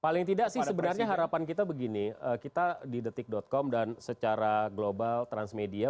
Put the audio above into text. paling tidak sih sebenarnya harapan kita begini kita di detik com dan secara global transmedia